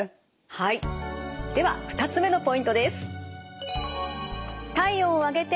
はいでは２つ目のポイントです。